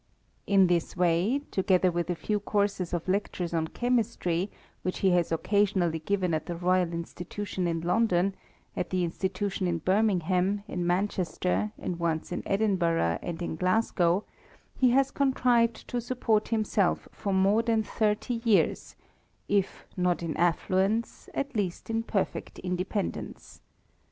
In this way, together with a few courses of lectures on chemistry, which he has occasionally given at the Royal Institution in London, at the Institution in Birmingham, in Manchester, and once in Edin bui^'h and in Glasgow, he has contrived to support himself for more than thirty years, if not in affluence, at least in perfect independence.